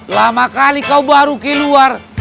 lama kali kau baru keluar